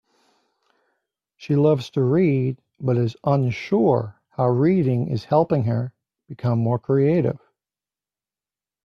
She loves to read, but is unsure how reading is helping her become more creative.